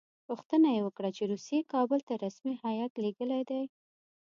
پوښتنه یې وکړه چې روسیې کابل ته رسمي هیات لېږلی دی.